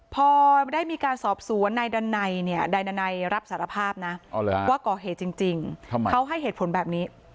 พอได้มีการสอบสู่ว่านายดันไนรับสารภาพนะว่าก่อเหจริงเขาให้เหตุผลแบบนี้